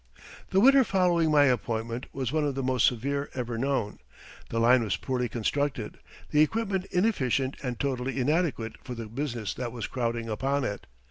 The winter following my appointment was one of the most severe ever known. The line was poorly constructed, the equipment inefficient and totally inadequate for the business that was crowding upon it.